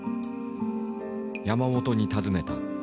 山本に尋ねた。